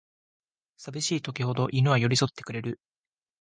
さびしい時ほど犬は寄りそってくれる